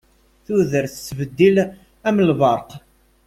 Tudert tettbeddil am lberq.